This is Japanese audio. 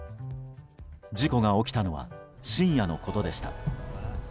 事故が起きたのは深夜のことでした。